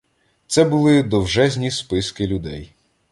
Це були довжезні списки людей.